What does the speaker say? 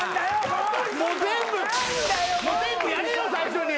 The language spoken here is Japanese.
もう全部やれよ最初に。